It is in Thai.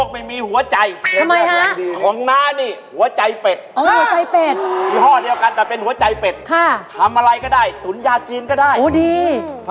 ไม่มีใครว่าอะไรอยู่ในลูก